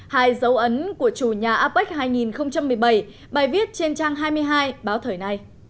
hai dấu ấn của chủ nhà apec hai nghìn một mươi bảy bài viết trên trang hai mươi hai báo thời nay